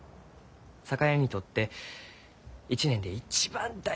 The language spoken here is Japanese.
酒屋にとって一年で一番大事にしゆう倒し。